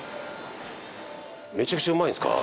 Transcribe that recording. めちゃくちゃうまいんですか？